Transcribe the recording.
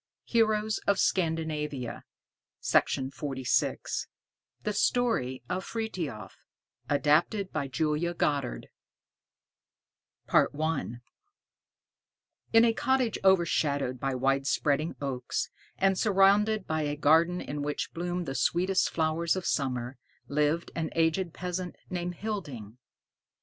HEROES OF SCANDINAVIA THE STORY OF FRITHIOF ADAPTED BY JULIA GODDARD I In a cottage overshadowed by wide spreading oaks, and surrounded by a garden in which bloomed the sweetest flowers of summer, lived an aged peasant named Hilding.